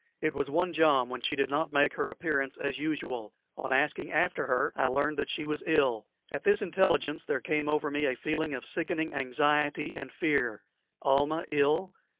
It was one jom when she did not make her appearance as usual. On asking after her I learned that she was ill. At this intelligence there came over me a feeling of sickening anxiety and fear. Almah ill!